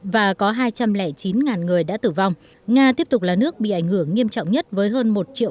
và có hai trăm linh chín người đã tử vong nga tiếp tục là nước bị ảnh hưởng nghiêm trọng nhất với hơn một triệu